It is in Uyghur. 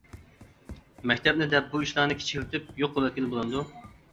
مەكتەپنى دەپ بۇ ئىشلارنى كىچىكلىتىپ يوق قىلىۋەتكىلى بۇلامدۇ.